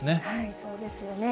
そうですよね。